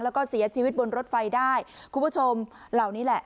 แล้วก็เสียชีวิตบนรถไฟได้คุณผู้ชมเหล่านี้แหละ